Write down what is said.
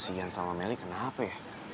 si nyan sama mele kenapa ya